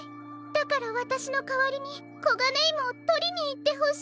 だからわたしのかわりにコガネイモをとりにいってほしいの。